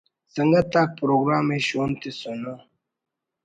سنگت آک پروگرام ءِ شون تسنو